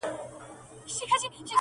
• بد بوټۍ بلا نه وهي -